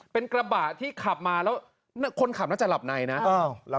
เป็นกระบะที่ขับมาแล้วคนขับน่าจะหลับในนะ